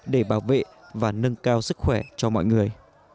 để bảo vệ và nâng cao sức khỏe cho mọi người